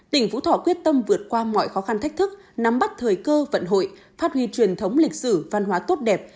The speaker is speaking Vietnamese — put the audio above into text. tỉnh phú thọ quyết tâm vượt qua mọi khó khăn thách thức nắm bắt thời cơ vận hội phát huy truyền thống lịch sử văn hóa tốt đẹp